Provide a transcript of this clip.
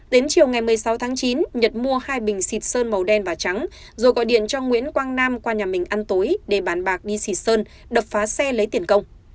đến chiều ngày một mươi sáu tháng chín nhật mua hai bình xịt sơn màu đen và trắng rồi gọi điện cho nguyễn quang nam qua nhà mình ăn tối để bàn bạc đi sì sơn đập phá xe lấy tiền công